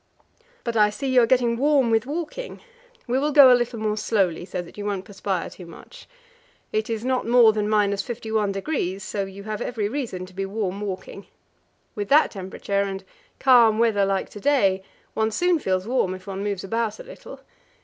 "But I see you are getting warm with walking. We will go a little more slowly, so that you won't perspire too much. It is not more than 51°, so you have every reason to be warm walking. With that temperature and calm weather like to day one soon feels warm if one moves about a little